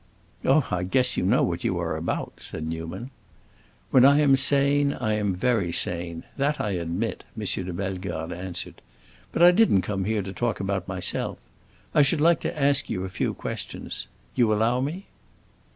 "Oh, I guess you know what you are about," said Newman. "When I am sane, I am very sane; that I admit," M. de Bellegarde answered. "But I didn't come here to talk about myself. I should like to ask you a few questions. You allow me?"